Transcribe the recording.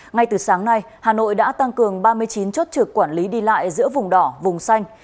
ngay từ sáng nay hà nội đã tăng cường ba mươi chín chốt trực quản lý đi lại giữa vùng đỏ vùng xanh